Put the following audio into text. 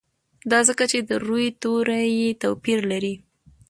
دا ځکه چې د روي توري یې توپیر لري.